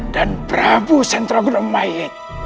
dan prabu sentro gondomayu